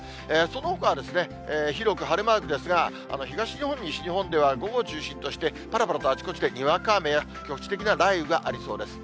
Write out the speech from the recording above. そのほかは広く晴れマークですが、東日本、西日本では、午後を中心として、ぱらぱらとあちこちでにわか雨や局地的な雷雨がありそうです。